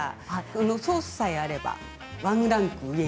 ソースさえあればワンランク上に。